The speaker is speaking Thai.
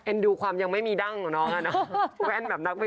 เอ็นดูความยังไม่ดั่งของน้องง่ะเนอะ